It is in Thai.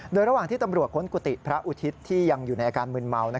โดยระหว่างที่ตำรวจค้นกุฏิพระอุทิศที่ยังอยู่ในอาการมืนเมา